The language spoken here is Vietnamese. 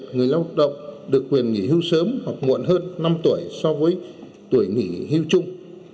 người lao động được quyền nghỉ hưu sớm hoặc muộn hơn năm tuổi so với tuổi nghỉ hưu chung